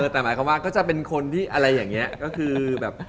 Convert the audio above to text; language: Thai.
แต่หมายความว่าก็จะเป็นคนที่อะไรอย่างนี้ก็คือแบบ